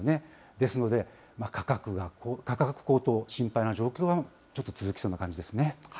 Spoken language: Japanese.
ですので、価格高騰、心配な状況はちょっと続きそうですね。